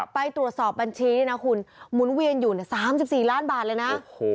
ไปตรวจสอบบัญชีนี่นะคุณหมุนเวียนอยู่๓๔ล้านบาทเลยนะ